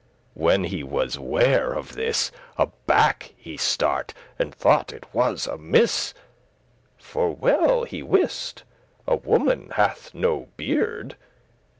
When he was ware of this, Aback he start, and thought it was amiss; For well he wist a woman hath no beard.